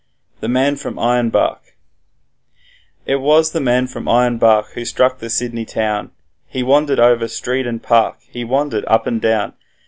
The Man from Ironbark It was the man from Ironbark who struck the Sydney town, He wandered over street and park, he wandered up and down.